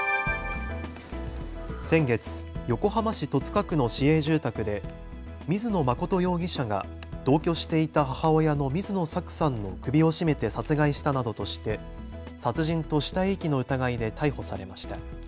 先月、横浜市戸塚区の市営住宅で水野誠容疑者が同居していた母親の水野さくさんの首を絞めて殺害したなどとして殺人と死体遺棄の疑いで逮捕されました。